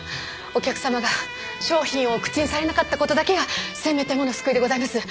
お客様が商品をお口にされなかった事だけがせめてもの救いでございます。